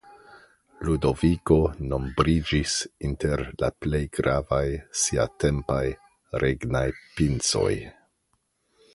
Ludoviko nombriĝis inter la plej gravaj siatempaj regnaj pincoj.